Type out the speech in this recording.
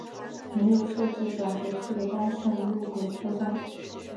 没有设置转辙器的单线路轨车站。